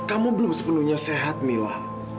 kamu belum sepenuhnya sehat mila